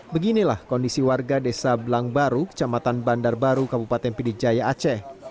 beginilah kondisi warga desa blang baru kecamatan bandar baru kabupaten pidijaya aceh